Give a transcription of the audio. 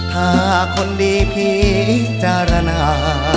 ถ้าคนดีผีจารณา